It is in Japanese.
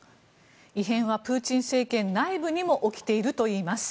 異変はプーチン政権内部にも起きているといいます。